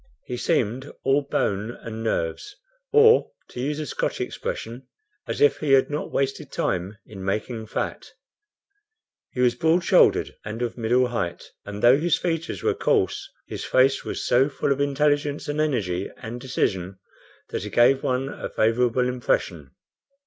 He seemed all bone and nerves, or, to use a Scotch expression, as if he had not wasted time in making fat. He was broad shouldered and of middle height, and though his features were coarse, his face was so full of intelligence and energy and decision, that he gave one a favorable impression.